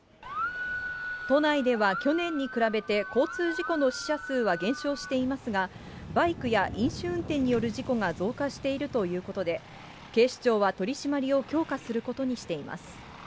都内では去年に比べて交通事故の死者数は減少していますが、バイクや飲酒運転による事故が増加しているということで、警視庁は取締りを強化することにしています。